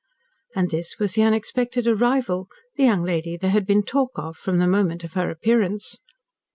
And this was the unexpected arrival the young lady there had been "talk of" from the moment of her appearance.